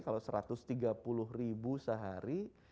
kalau satu ratus tiga puluh ribu sehari